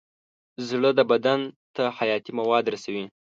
زړه بدن ته حیاتي مواد رسوي.